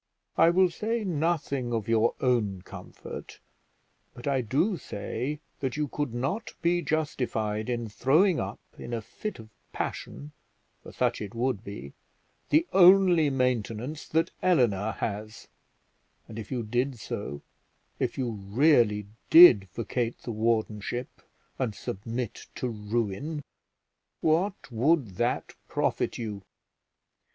I will say nothing of your own comfort, but I do say that you could not be justified in throwing up, in a fit of passion, for such it would be, the only maintenance that Eleanor has; and if you did so, if you really did vacate the wardenship, and submit to ruin, what would that profit you?